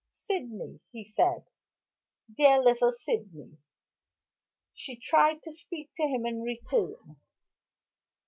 "Sydney!" he said. "Dear little Sydney!" She tried to speak to him in return.